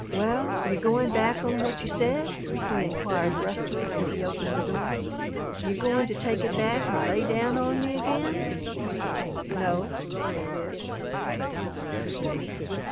"Well, you goin' back on what you said?" he inquired, brusquely, as he opened the door. "You goin' to take it back and lay down on me again?" "No," said Bibbs.